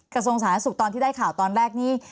กระทรวงสาธารณสุขตอนที่ได้ข่าวตอนแรกนี่